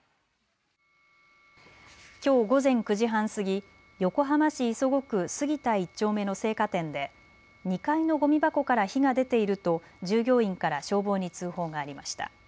きょう午前９時半過ぎ、横浜市磯子区杉田１丁目の青果店で２階のごみ箱から火が出ていると従業員から消防に通報がありました。